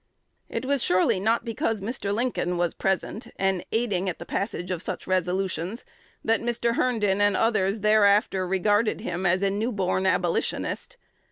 It was surely not because Mr. Lincoln was present, and aiding at the passage of such resolutions, that Mr. Herndon and others thereafter regarded him as a "newborn" Abolitionist.